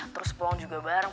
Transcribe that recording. terus pulang juga bareng